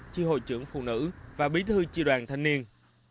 chi hội trưởng phụ nữ và bí thư tri đoàn thanh niên